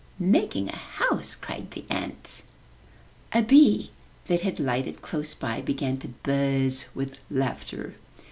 ''Making a house!'' cried the ant. A bee that had lighted close by began to buzz with laughter.